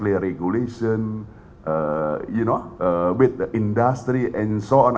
dengan industri dan sebagainya